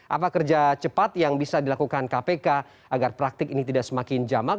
apa kerja cepat yang bisa dilakukan kpk agar praktik ini tidak semakin jamak